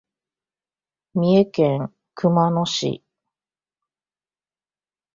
三重県熊野市